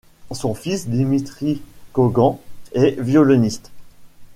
Son fils Dmitri Kogan est violoniste.